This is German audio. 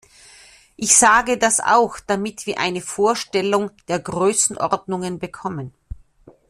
Ich sage das auch, damit wir eine Vorstellung der Größenordnungen bekommen.